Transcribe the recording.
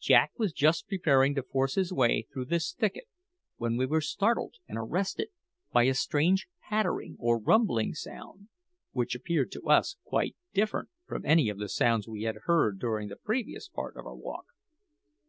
Jack was just preparing to force his way through this thicket when we were startled and arrested by a strange pattering or rumbling sound, which appeared to us quite different from any of the sounds we had heard during the previous part of our walk.